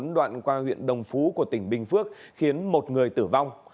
đoạn qua huyện đồng phú của tỉnh bình phước khiến một người tử vong